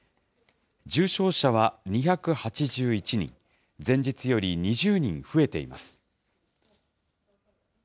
重症者は２８１人、前日より２０人増えています。